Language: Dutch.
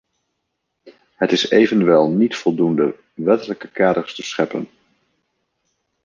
Het is evenwel niet voldoende wettelijke kaders te scheppen.